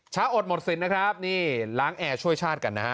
อดหมดสินนะครับนี่ล้างแอร์ช่วยชาติกันนะฮะ